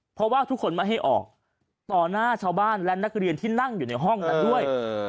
เพราะว่าทุกคนไม่ให้ออกต่อหน้าชาวบ้านและนักเรียนที่นั่งอยู่ในห้องนั้นด้วย